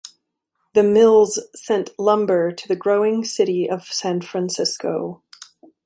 The mills sent lumber to the growing city of San Francisco.